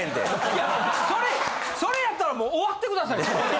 いやそれそれやったらもう終わってください！